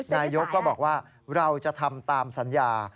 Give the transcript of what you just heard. นายกก็บอกว่าเราจะทำตามสัญญา